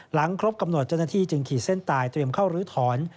ครบกำหนดเจ้าหน้าที่จึงขีดเส้นตายเตรียมเข้าลื้อถอน